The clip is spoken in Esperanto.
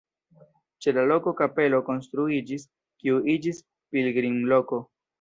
Ĉe la loko kapelo konstruiĝis, kiu iĝis pilgrimloko.